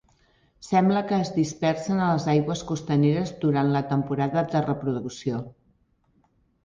Sembla que es dispersen a les aigües costaneres durant la temporada de reproducció.